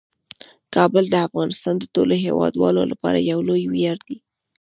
کابل د افغانستان د ټولو هیوادوالو لپاره یو لوی ویاړ دی.